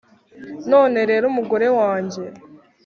None rero mugore wanjye